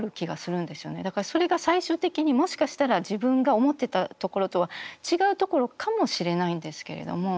だからそれが最終的にもしかしたら自分が思ってたところとは違うところかもしれないんですけれども。